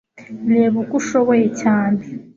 reba uko ushoboye cyane.